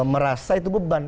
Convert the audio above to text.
merasa itu beban